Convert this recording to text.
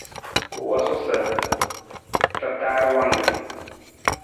U wosu sa ra taar wangkar.